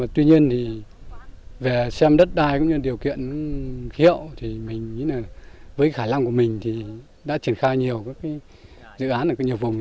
tuy nhiên về xem đất đai điều kiện hiệu với khả năng của mình đã triển khai nhiều dự án nhiều vùng